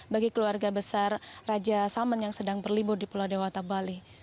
bagi keluarga besar raja salman yang sedang berlibur di pulau dewata bali